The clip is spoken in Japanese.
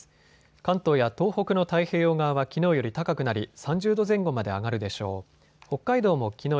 関東や東北の太平洋側はきのうより高くなり３０度前後まで上がるでしょう。